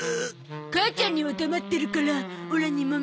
母ちゃんには黙ってるからオラにも見せて。